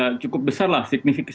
ya cukup besar lah signifikasinya